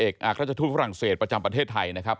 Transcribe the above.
อักราชทูตฝรั่งเศสประจำประเทศไทยนะครับ